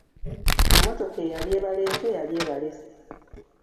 Emmotoka eyali ebaleese yali ebalesse.